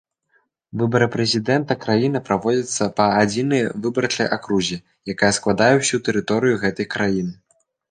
Выбары прэзідэнта краіны праводзяцца па адзінай выбарчай акрузе, якая складае ўсю тэрыторыю гэтай краіны.